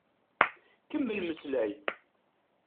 Kemmel mmeslay.